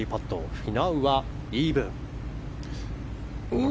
フィナウはイーブン。